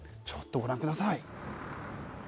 ちょっとご覧ください。